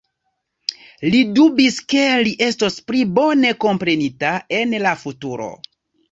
Li dubis, ke li estos pli bone komprenita en la futuro.